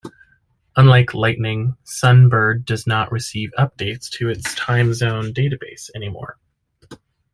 Unlike Lightning, Sunbird does not receive updates to its time zones database anymore.